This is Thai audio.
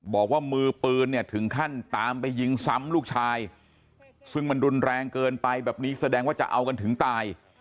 บอกว่ามือปืนเนี่ยถึงขั้นตามไปยิงซ้ำลูกชายซึ่งมันรุนแรงเกินไปแบบนี้แสดงว่าจะเอากันถึงตาย